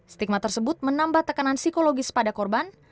stigma tersebut menambah tekanan psikologis pada korban